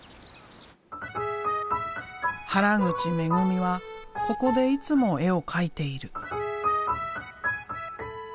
原口めぐみはここでいつも絵を描いている。